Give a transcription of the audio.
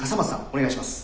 お願いします。